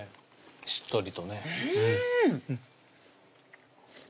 しっとりとねうん！